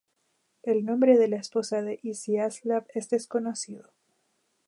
El nombre de la esposa de Iziaslav es desconocido.